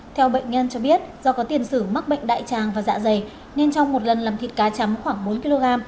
theo bệnh nhân cho biết do có tiền sử mắc bệnh đại tràng và dạ dày nên trong một lần làm thịt cá chấm khoảng bốn kg